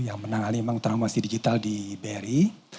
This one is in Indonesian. yang menang ini memang traumasi digital di bri